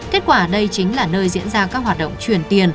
kết quả đây chính là nơi diễn ra các hoạt động truyền tiền